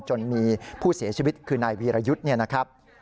จนมีผู้เสียชีวิตคือนายวีรยุทธ์